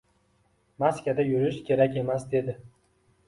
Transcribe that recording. Maskada yurish kerak emas dedi.